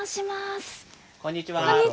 こんにちは。